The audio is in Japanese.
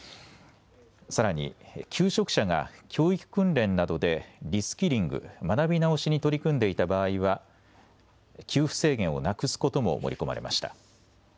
さらに求職者が教育訓練などでリスキリング・学び直しに取り組んでいた場合は給付制限をなくすことも盛り込まれました。